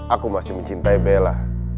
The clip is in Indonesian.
aku masih mencintai bella